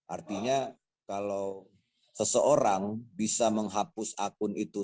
artinya kalau seseorang bisa menghapus akun itu